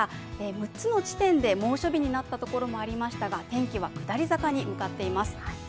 ３つの地点で猛暑日となったところもありましたが天気は下り坂に向かっています。